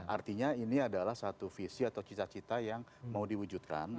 artinya ini adalah satu visi atau cita cita yang mau diwujudkan